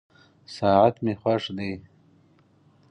ساعت مي خوښ دی.